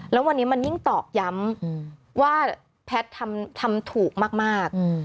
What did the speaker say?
แล้ววันนี้มันยิ่งตอกย้ำว่าแพทย์ทำถูกมาก